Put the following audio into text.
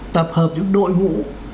tập hợp những đội ngũ